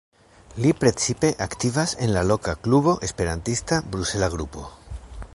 Li precipe aktivas en la loka klubo Esperantista Brusela Grupo.